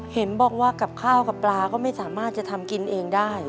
เห็นบอกว่ากับข้าวกับปลาก็ไม่สามารถจะทำกินเองได้